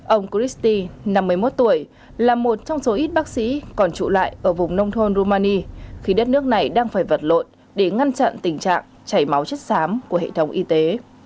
ông christi năm mươi một tuổi là một trong số ít bác sĩ còn trụ lại ở vùng nông thôn romani khi đất nước này đang phải vật lộn để ngăn chặn tình trạng chảy máu chất xám của hệ thống y tế